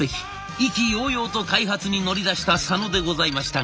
意気揚々と開発に乗り出した佐野でございましたが。